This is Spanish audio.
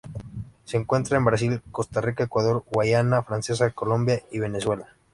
Se encuentra en Brasil, Costa Rica, Ecuador, Guayana Francesa, Colombia y Venezuela.